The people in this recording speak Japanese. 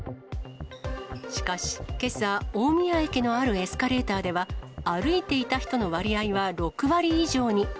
しかし、けさ、大宮駅のあるエスカレーターでは、歩いていた人の割合は６割以上に。